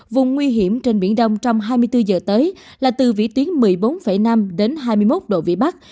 vùng nguy hiểm trên biển đông trong hai mươi bốn giờ tới là từ vĩ tuyến một mươi bốn năm đến hai mươi một độ vĩ bắc